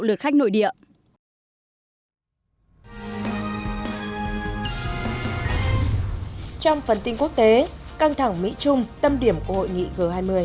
trong phần tin quốc tế căng thẳng mỹ trung tâm điểm của hội nghị g hai mươi